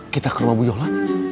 kita ke rumah bu yola